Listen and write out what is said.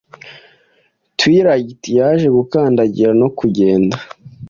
twilight yaje gukandagira no kugenda